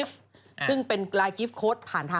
สวัสดีค่าข้าวใส่ไข่